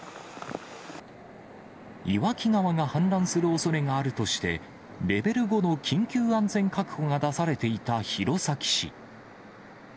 岩木川が氾濫するおそれがあるとして、レベル５の緊急安全確保が出されていた弘前市。